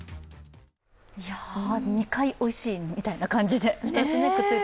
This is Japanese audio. ２回おいしいみたいな感じで。